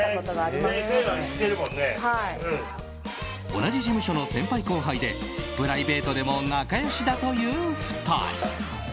同じ事務所の先輩・後輩でプライベートでも仲良しだという２人。